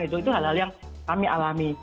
itu hal hal yang kami alami